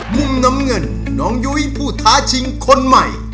มุมน้ำเงินน้องยุ้ยผู้ท้าชิงคนใหม่